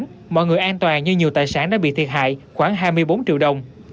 vì mọi người an toàn như nhiều tài sản đã bị thiệt hại khoảng hai mươi bốn triệu đồng